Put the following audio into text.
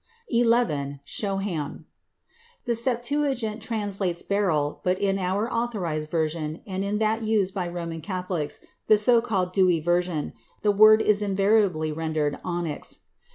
XI. Shoham. [שֹׁהַם.] The Septuagint translates "beryl," but in our Authorized Version and in that used by Roman Catholics, the so called Douai Version, the word is invariably rendered "onyx."